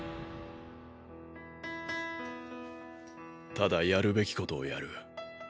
ただやるべきことをやる。